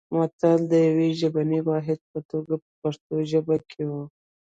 متل د یوه ژبني واحد په توګه په پښتو ژبه کې و